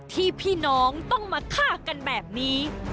ที่พี่น้องต้องมาฆ่ากันแบบนี้